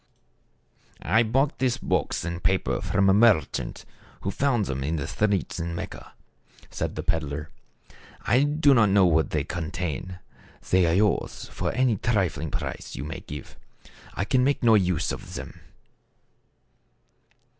" I bought this box and paper from a merchant, THE CARAVAN. 89 who found them on a street in Mecca/' said the peddler. "I do not know what they contain. They are yours for any trifling price you may give. I can make no use of them."